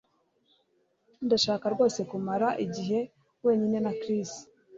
Ndashaka rwose kumarana igihe wenyine na Chris